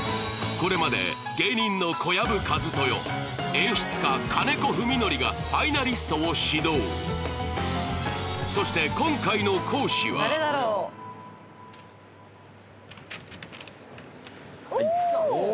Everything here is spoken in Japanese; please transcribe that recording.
これまで芸人の小籔千豊演出家金子文紀がファイナリストを指導そしておお！